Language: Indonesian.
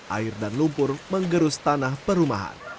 air dan lumpur menggerus tanah perumahan